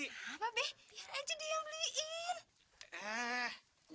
apa be biar aja dia beliin